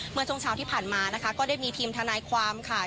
เมื่อช่วงเช้าที่ผ่านมานะคะก็ได้มีทีมทนายความค่ะ